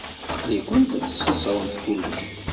Aql-ikent ad tesxeṣremt kullec.